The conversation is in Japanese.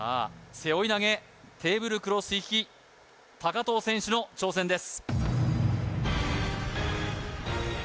背負い投げテーブルクロス引き藤選手の挑戦です